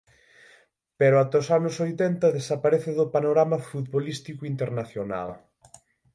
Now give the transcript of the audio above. Pero ata os anos oitenta desaparece do panorama futbolístico internacional.